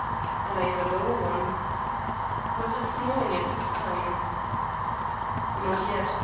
"By the lower one." "Was it snowing at this time?" "Not yet.